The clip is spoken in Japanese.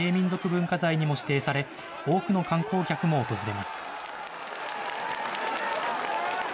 文化財にも指定され、多くの観光客も訪れます。